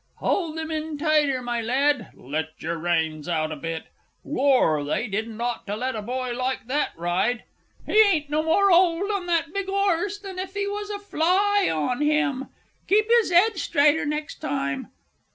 Hold him in tighter, my lad.... Let out your reins a bit! Lor, they didn't ought to let a boy like that ride.... He ain't no more 'old on that big 'orse than if he was a fly on him!... Keep his 'ed straighter next time....